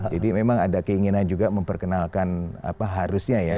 jadi memang ada keinginan juga memperkenalkan apa harusnya ya